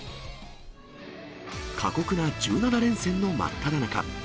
過酷な１７連戦の真っただ中。